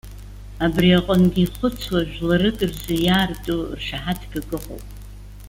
Абри аҟынгьы ихәыцуа жәларык рзы иаарту ршаҳаҭгак ыҟоуп.